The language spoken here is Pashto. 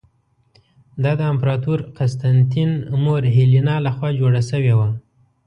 دا د امپراتور قسطنطین مور هیلینا له خوا جوړه شوې وه.